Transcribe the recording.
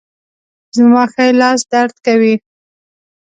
زما ښي لاس درد کوي